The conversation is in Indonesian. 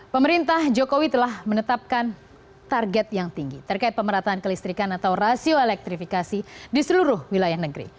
pemerintah jokowi telah menetapkan target yang tinggi terkait pemerataan kelistrikan atau rasio elektrifikasi di seluruh wilayah negeri